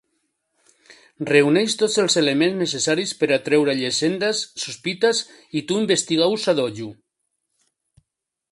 Reuneix tots els elements necessaris per atreure llegendes, sospites i tu-investiga-hos a dojo.